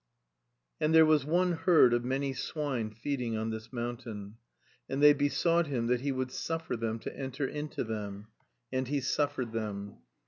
"And there was one herd of many swine feeding on this mountain; and they besought him that he would suffer them to enter into them. And he suffered them.